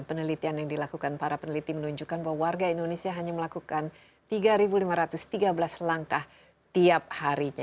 penelitian yang dilakukan para peneliti menunjukkan bahwa warga indonesia hanya melakukan tiga lima ratus tiga belas langkah tiap harinya